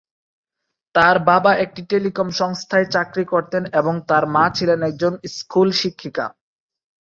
তাঁর বাবা একটি টেলিকম সংস্থায় চাকরি করতেন এবং তাঁর মা ছিলেন একজন স্কুল শিক্ষিকা।